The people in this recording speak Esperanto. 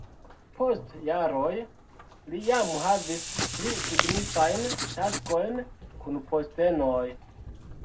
Post jaroj li jam havis pli signifajn taskojn kun postenoj.